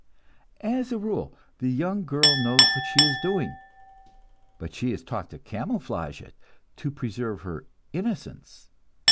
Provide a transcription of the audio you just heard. As a rule the young girl knows what she is doing, but she is taught to camouflage it, to preserve her "innocence."